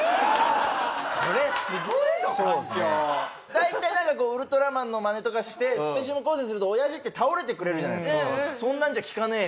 大体なんかウルトラマンのマネとかしてスペシウム光線すると親父って倒れてくれるじゃないですか。